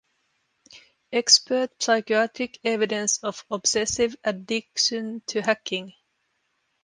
Expert psychiatric evidence of obsessive addiction to hacking.